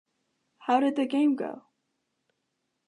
How did the game go?